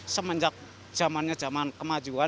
semenjak zamannya zaman kemajuan